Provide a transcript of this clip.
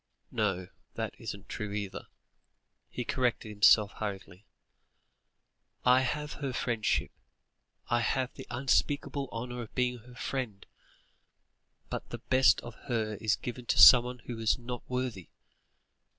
No, that isn't true either," he corrected himself hurriedly. "I have her friendship. I have the unspeakable honour of being her friend, but the best of her is given to someone who is not worthy.